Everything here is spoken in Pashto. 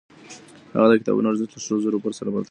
هغه د کتابونو ارزښت له سرو زرو سره پرتله کړ.